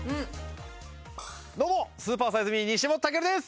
どうもスーパーサイズ・ミー西本たけるです。